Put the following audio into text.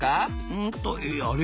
うんとえあれ？